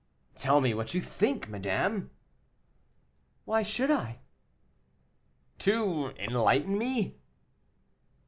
"Tell me what you think, madame." "Why should I?" "To enlighten me."